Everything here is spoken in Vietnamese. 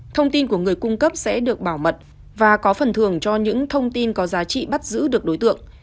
thông tin của người cung cấp sẽ được bảo mật và có phần thường cho những thông tin có giá trị bắt giữ được đối tượng